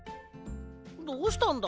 どうしたんだ？